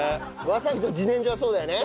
わさびと自然薯はそうだよね。